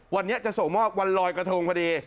วันนี้จะส่งมอบวันลอยกระทงพอดี